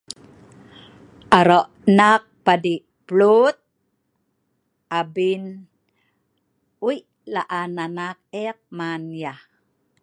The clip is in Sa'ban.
arok eek nagk padi plut, abin wei laan anak eek man yah